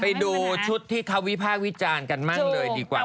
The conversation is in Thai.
ไปดูชุดที่เขาวิพากษ์วิจารณ์กันบ้างเลยดีกว่า